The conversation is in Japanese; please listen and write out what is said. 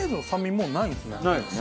もうないですね。